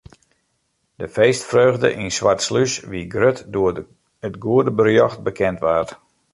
De feestfreugde yn Swartslús wie grut doe't it goede berjocht bekend waard.